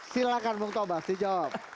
silahkan bung tobas dijawab